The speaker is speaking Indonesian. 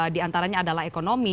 diantaranya adalah ekonomi